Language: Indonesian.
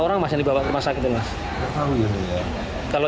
orang masih dibawa ke masyarakat mas kalau